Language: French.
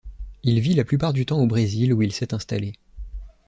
Il vit la plupart du temps au Brésil où il s'est installé.